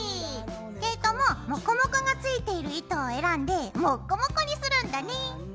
毛糸もモコモコがついている糸を選んでもっこもこにするんだね。